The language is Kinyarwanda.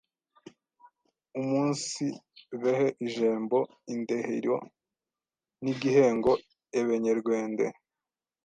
umunsibehe ijembo, indehiro n’igihengo Ebenyerwende